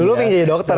dulu ingin jadi dokter